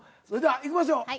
それではいきますよ。